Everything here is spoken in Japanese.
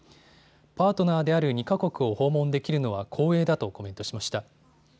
パートナーである２か国を訪問できるのは光栄だとコメントしました。